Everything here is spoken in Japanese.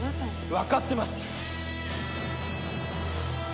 わかってます。